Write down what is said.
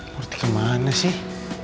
murthy kemana sih